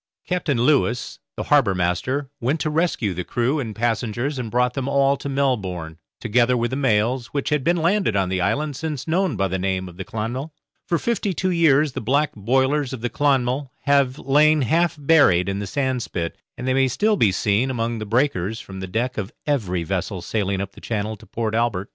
Captain Lewis, the harbour master, went to rescue the crew and passengers and brought them all to Melbourne, together with the mails, which had been landed on the island since known by the name of the 'Clonmel'. For fifty two years the black boilers of the 'Clonmel' have lain half buried in the sandspit, and they may still be seen among the breakers from the deck of every vessel sailing up the channel to Port Albert.